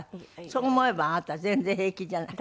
そう思えばあなた全然平気じゃない？